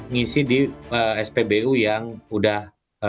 ngisi di spbu yang udah